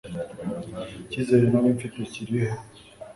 icyizere nari mfite kiri he